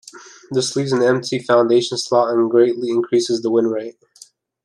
This leaves an empty foundation slot and greatly increases the win rate.